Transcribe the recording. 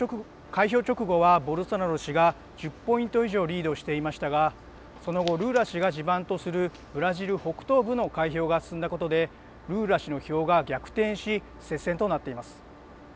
開票直後はボルソナロ氏が１０ポイント以上リードしていましたが、その後、ルーラ氏が地盤とするブラジル北東部の開票が進んだことで、ルーラ氏の票が逆転し、接戦となっています。